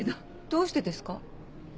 どうしてですか？